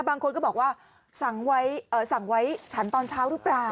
บางคนก็บอกว่าสั่งไว้เอ่อสั่งไว้ฉันตอนเช้าหรือเปล่า